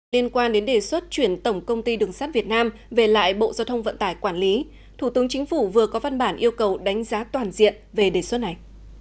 liên quan đến đề xuất chuyển tổng công ty đường sắt việt nam về lại bộ giao thông vận tải quản lý thủ tướng chính phủ vừa có văn bản yêu cầu đánh giá toàn diện về đề xuất này